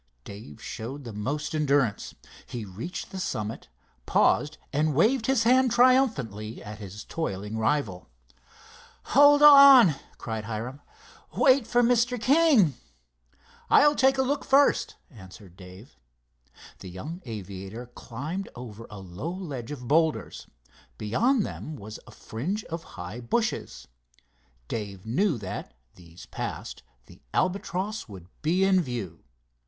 Dave showed the most endurance. He reached the summit, paused and waved his hand triumphantly at his toiling rival. "Hold on," called Hiram. "Wait for Mr. King." "I'll take a look first," answered Dave. The young aviator climbed over a low ledge of boulders. Beyond them was a fringe of high bushes. Dave knew that, these passed, the Albatross would be in view.